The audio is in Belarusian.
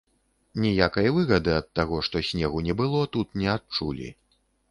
Ніякай выгады ад таго, што снегу не было, тут не адчулі.